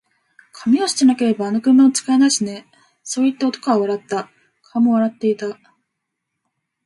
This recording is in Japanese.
「紙を捨てなけれれば、あの車も使えないしね」そう言って、男は笑った。顔も笑っていた。